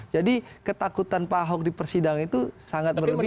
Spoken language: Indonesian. jadi ketakutan pak ahok di persidangan itu sangat berlebihan